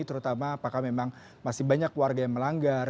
terutama apakah memang masih banyak warga yang melanggar